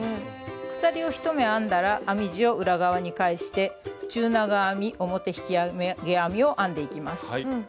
鎖を１目編んだら編み地を裏側に返して中長編み表引き上げ編みを編んでいきます。